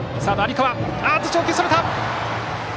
送球それた！